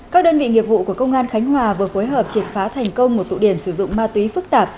các đơn vị nghiệp vụ của công an khánh hòa vừa phối hợp triệt phá thành công một tụ điểm sử dụng ma túy phức tạp